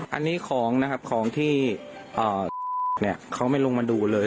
อันนี้ของนะครับของที่เขาไม่ลงมาดูเลย